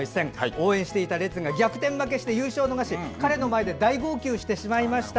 応援していたレッズが逆転負けして優勝を逃し彼の前で大号泣してしまいました。